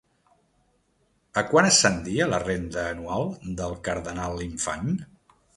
A quant ascendia la renda anual del cardenal-infant?